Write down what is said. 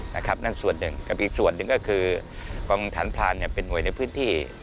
นั่นส่วนหนึ่งกับอีกส่วนหนึ่งก็คือกองฐานพรานเป็นหน่วยในพื้นที่